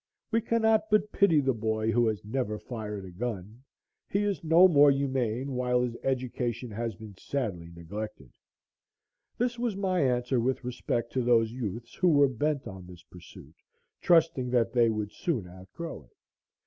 We cannot but pity the boy who has never fired a gun; he is no more humane, while his education has been sadly neglected. This was my answer with respect to those youths who were bent on this pursuit, trusting that they would soon outgrow it.